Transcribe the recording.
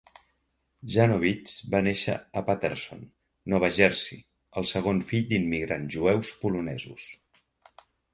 Janowitz va néixer a Paterson, Nova Jersey, el segon fill d'immigrants jueus polonesos.